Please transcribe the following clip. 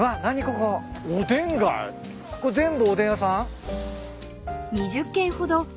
これ全部おでん屋さん？